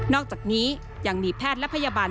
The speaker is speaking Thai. อกจากนี้ยังมีแพทย์และพยาบาล